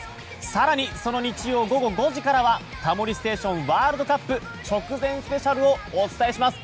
更にその日曜午後５時からは「タモリステーションワールドカップ直前スペシャル」をお伝えします。